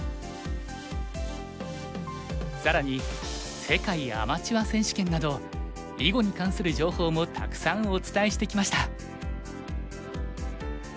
更に世界アマチュア選手権など囲碁に関する情報もたくさんお伝えしてきました。